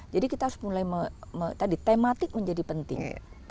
jadi kita harus mulai tadi tematik menjadi penting